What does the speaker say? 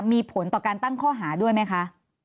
มีผลต่อการตั้งข้อหาด้วยไหมคะ